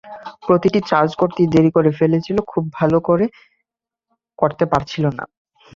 প্রতিটি চার্জ করতেই দেরি করে ফেলছিল, খুব ভালো করতে পারছিল না।